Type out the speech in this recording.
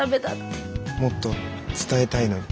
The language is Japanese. もっと伝えたいのに。